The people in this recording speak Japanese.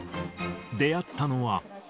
出会ったのは。